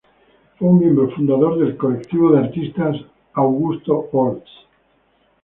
Fue un miembro fundador del colectivo de artista Auguste Orts.